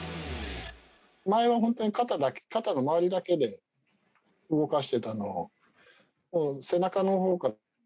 前は肩の周りだけで動かしていたのを背中のほうから。